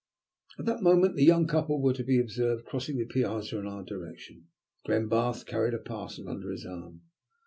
At that moment the young couple were to be observed crossing the piazza in our direction. Glenbarth carried a parcel under his arm.